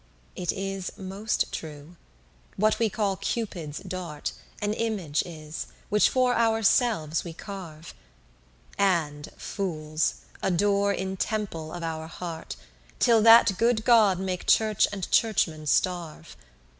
It is most true, what we call Cupid's dart, An image is, which for ourselves we carve: And, fools, adore in temple of hour heart, Till that good God make Church and churchman starve.